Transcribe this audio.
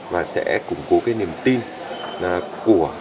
và sẽ củng cố cái niềm tin của đảng chúng ta